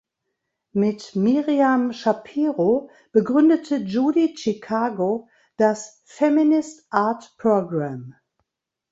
Mit Miriam Schapiro begründete Judy Chicago das „Feminist Art Program“.